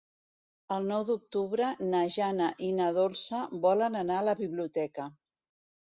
El nou d'octubre na Jana i na Dolça volen anar a la biblioteca.